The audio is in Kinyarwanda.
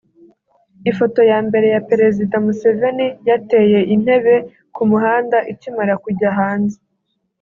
Ifoto ya mbere ya Perezida Museveni yateye intebe ku muhanda ikimara kujya hanze